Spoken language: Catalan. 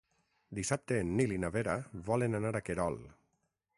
Dissabte en Nil i na Vera volen anar a Querol.